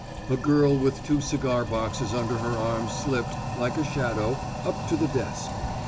A girl with two cigar boxes under her arm slipped, like a shadow, up to the desk.